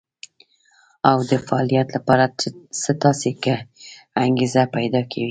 او د فعاليت لپاره څه تاسې کې انګېزه پيدا کوي.